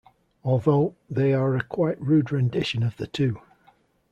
Although, they are a quite rude rendition of the two.